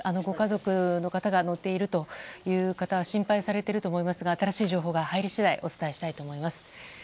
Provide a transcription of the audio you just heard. ご家族の方が乗っているという方は心配されていると思いますが新しい情報が入り次第お伝えしたいと思います。